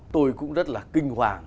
tôi cũng rất là kinh hoàng